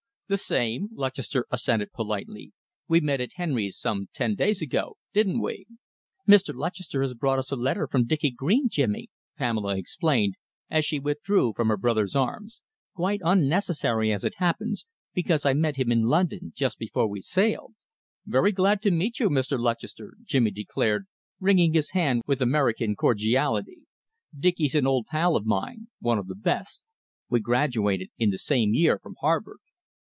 "The same," Lutchester assented politely. "We met at Henry's some ten days ago, didn't we?" "Mr. Lutchester has brought us a letter from Dicky Green, Jimmy," Pamela explained, as she withdrew from her brother's arms. "Quite unnecessary, as it happens, because I met him in London just before we sailed." "Very glad to meet you, Mr. Lutchester," Jimmy declared, wringing his hand with American cordiality. "Dicky's an old pal of mine one of the best. We graduated in the same year from Harvard."